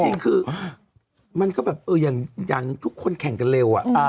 จริงคือมันก็แบบอย่างหนึ่งทุกคนแข่งกันเร็วอะ